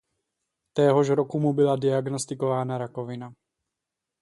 Téhož roku mu byla diagnostikována rakovina.